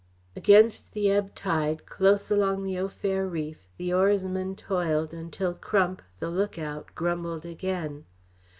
Against the ebb tide close along Au Fer reef, the oarsman toiled until Crump, the lookout, grumbled again.